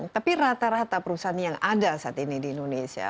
tapi rata rata perusahaan yang ada saat ini di indonesia